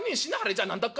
じゃあ何だっか？